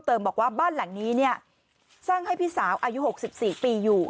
เพิ่มเติมบอกว่าบ้านหลังนี้สร้างให้พี่สาวอายุ๖๔ปีอยู่